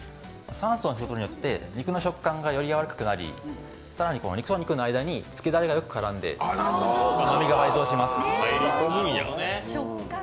３層になることによって、肉の食感がよりやわらかくなり、更に肉と肉の間につけだれがよく絡んで甘みが倍増します。